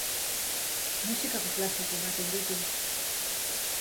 Musikako klaseak ematen ditu.